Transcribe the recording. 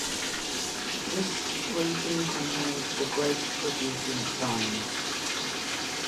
The region contains of grape-producing vines.